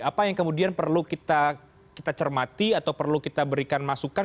apa yang kemudian perlu kita cermati atau perlu kita berikan masukan